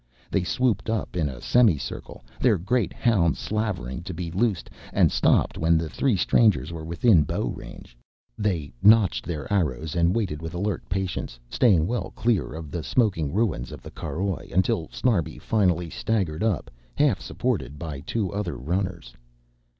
They swooped up in a semicircle, their great hounds slavering to be loosed, and stopped when the three strangers were within bow range. They notched their arrows and waited with alert patience, staying well clear of the smoking ruins of the caroj, until Snarbi finally staggered up half supported by two other runners.